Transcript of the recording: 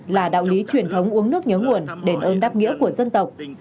là đạo lý truyền thống uống nước nhớ nguồn đền ơn đáp nghĩa của dân tộc